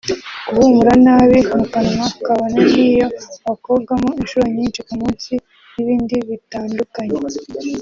guhumura nabi mu kanwa kabone niyo wakogamo inshuro nyinshi ku munsi n’ibindi bitandukanye